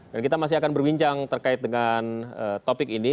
dan kita masih akan berbincang terkait dengan topik ini